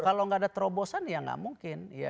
kalau gak ada terobosan ya gak mungkin